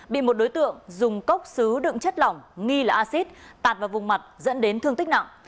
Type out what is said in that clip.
bị một đối tượng dùng cốc xứ đựng chất lỏng nghi là acid tạt vào vùng mặt dẫn đến thương tích nặng